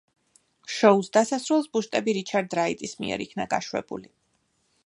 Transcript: შოუს დასასრულს ბუშტები რიჩარდ რაიტის მიერ იქნა გაშვებული.